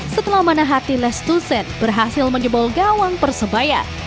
setelah mana hati les toussaint berhasil menjebol gawang persebaya